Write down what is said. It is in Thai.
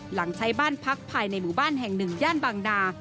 หลังใช้บ้านพักภายในหมู่บ้านแห่งหนึ่งย่านบางนา